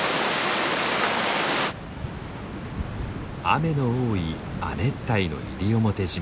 雨の多い亜熱帯の西表島。